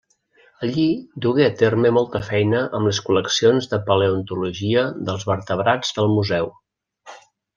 Allí dugué a terme molta feina amb les col·leccions de paleontologia dels vertebrats del museu.